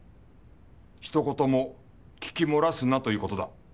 一言も聞き漏らすなという事だ。